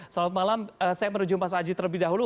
selamat malam saya menuju mas aji terlebih dahulu